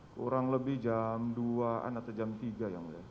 kurang lebih jam dua an atau jam tiga yang mulia